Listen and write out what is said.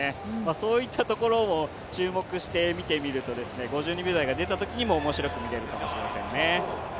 そういったところを注目して見てみると、５２秒台が出たときにも面白く見れるかもしれませんね。